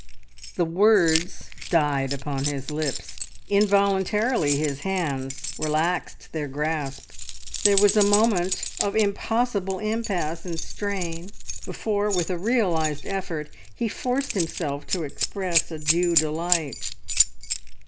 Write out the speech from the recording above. The words died upon his lips; involuntarily his hands relaxed their grasp. There was a moment of impossible impasse and strain before, with a realised effort, he forced himself to express a due delight.